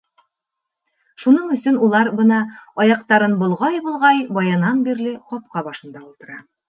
Шуның өсөн улар бына, аяҡтарын болғай-болғай, баянан бирле ҡапҡа башында ултыра.